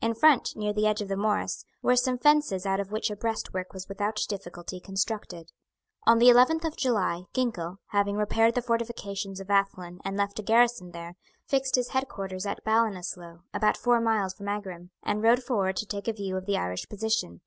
In front, near the edge of the morass, were some fences out of which a breastwork was without difficulty constructed. On the eleventh of July, Ginkell, having repaired the fortifications of Athlone and left a garrison there, fixed his headquarters at Ballinasloe, about four miles from Aghrim, and rode forward to take a view of the Irish position.